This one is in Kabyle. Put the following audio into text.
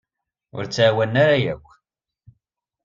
Ur t-ɛawnen ara yakk.